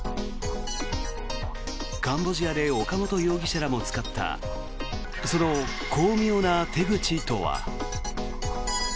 カンボジアで岡本容疑者らも使ったその巧妙な手口とは。